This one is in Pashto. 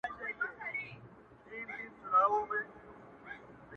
د ظالم لور~